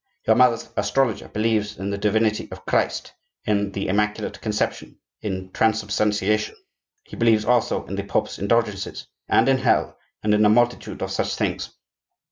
Your mother's astrologer believes in the divinity of Christ, in the Immaculate Conception, in Transubstantiation; he believes also in the Pope's indulgences and in hell, and in a multitude of such things.